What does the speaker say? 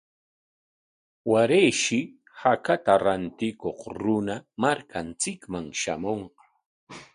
Warayshi hakata rantikuq runa markanchikman shamunqa.